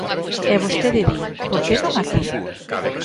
E vostede di: ¿por que non aquí?